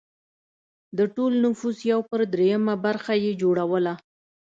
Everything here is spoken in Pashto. د ټول نفوس یو پر درېیمه برخه یې جوړوله